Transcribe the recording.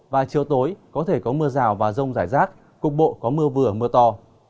và chiều tối có thể có mưa rào và rông rải rác cục bộ có mưa vừa mưa to